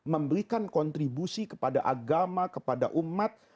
memberikan kontribusi kepada agama kepada umat